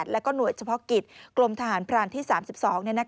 แล้วก็หน่วยเฉพาะกิจกรมทหารพรานที่๓๒